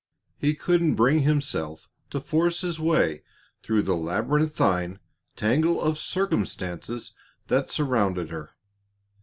He couldn't bring himself to force his way through the labyrinthine tangle of circumstances that surrounded her.